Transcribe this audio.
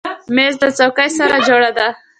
مېز له چوکۍ سره جوړه ده.